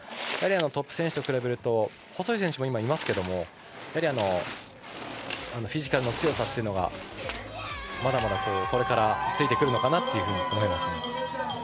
やはりトップ選手と比べると細い選手も今、いますけどもフィジカルの強さというのはまだまだこれからついてくるのかなと思います。